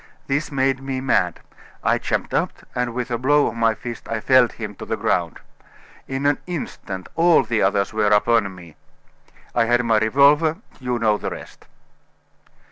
This made me mad. I jumped up, and with a blow of my fist I felled him to the ground. In an instant all the others were upon me! I had my revolver you know the rest."